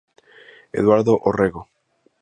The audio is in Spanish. Eduardo Orrego.